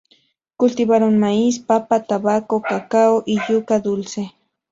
Cultivaron maíz, papa, tabaco, cacao, y yuca dulce.